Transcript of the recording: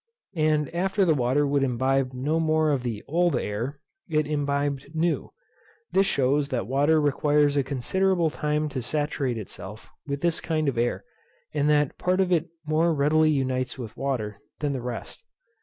And after the water would imbibe no more of the old air, it imbibed new. This shews that water requires a considerable time to saturate itself with this kind of air, and that part of it more readily unites with water than the rest.